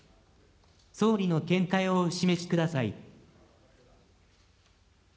総理の見解をお示しください。